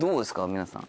皆さん。